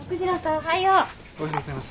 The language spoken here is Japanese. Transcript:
おはようございます。